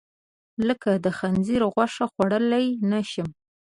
لکه د خنځیر غوښه، خوړلی نه شم.